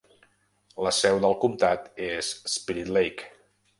La seu del comptat és Spirit Lake.